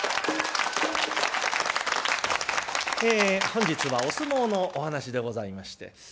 本日はお相撲のお噺でございまして。